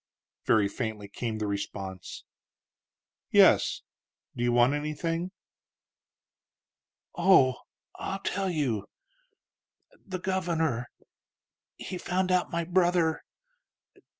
very faintly came the response. "Yes. Do you want anything?" "Oh, ... I'll tell you: The governor ... he found out my brother